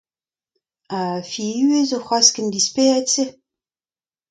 Ha c'hwi ivez a zo c'hoazh ken dispered-se ?